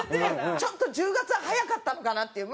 ちょっと１０月は早かったのかなっていう。